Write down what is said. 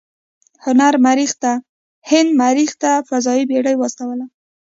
هند مریخ ته هم فضايي بیړۍ واستوله.